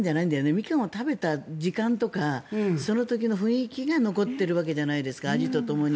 ミカンを食べた時間とかその時の雰囲気が残っているわけじゃないですか味とともに。